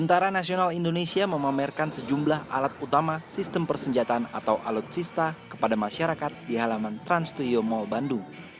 tentara nasional indonesia memamerkan sejumlah alat utama sistem persenjataan atau alutsista kepada masyarakat di halaman trans studio mall bandung